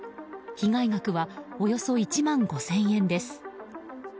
被害額はおよそ１万５０００円です。